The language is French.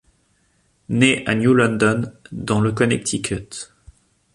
Née à New London dans le Connecticut.